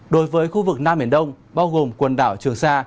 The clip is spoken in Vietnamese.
đối với khu vực nam biển đông bao gồm quần đảo trường sa